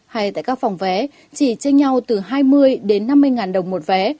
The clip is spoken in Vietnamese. hay tại các phòng vé chỉ tranh nhau từ hai mươi đến năm mươi ngàn đồng một vé